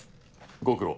ご苦労。